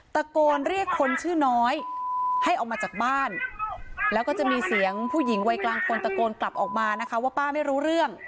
ตะโกนเรียกคนชื่อน้อยให้ออกมาจากบ้านแล้วก็จะมีเสียงผู้หญิงวัยกลางคนตะโกนกลับออกมานะคะว่าป้าไม่รู้เรื่อง